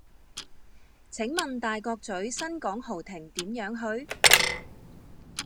請問大角嘴新港豪庭點樣去?